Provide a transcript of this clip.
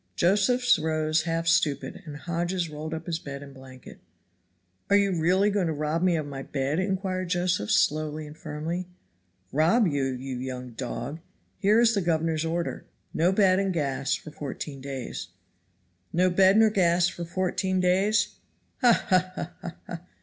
Josephs rose half stupid, and Hodges rolled up his bed and blanket. "Are you really going to rob me of my bed?" inquired Josephs slowly and firmly. "Rob you, you young dog? Here is the governor's order. No bed and gas for fourteen days." "No bed nor gas for fourteen days! Ha! ha! ha! ha! ha!"